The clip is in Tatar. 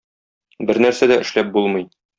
Бернәрсә дә эшләп булмый.